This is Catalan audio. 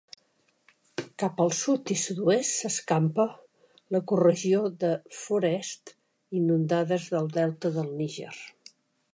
Cap al sud i sud-oest s'escampa l'ecoregió de Forests inundades del Delta del Níger.